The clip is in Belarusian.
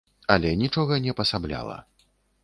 Але нічога не пасабляла.